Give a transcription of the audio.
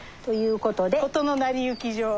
事の成り行き上。